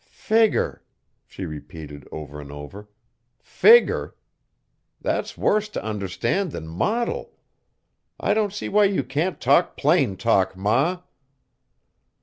"Figger!" she repeated over and over. "Figger! That's worse t' understand than modil. I don't see why you can't talk plain talk, Ma!"